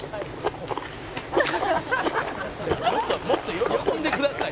「もっと喜んでください」